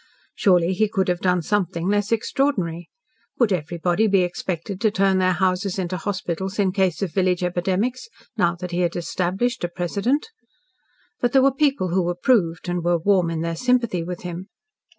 Surely he could have done something less extraordinary. Would everybody be expected to turn their houses into hospitals in case of village epidemics, now that he had established a precedent? But there were people who approved, and were warm in their sympathy with him.